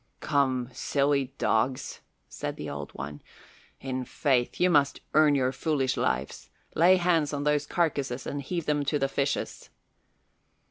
"Come, silly dogs," said the Old One, "in faith, you must earn your foolish lives. Lay hands on those carcasses and heave them to the fishes."